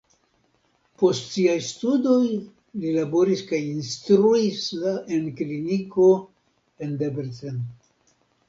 Post siaj studoj li laboris kaj instruis en kliniko en Debrecen.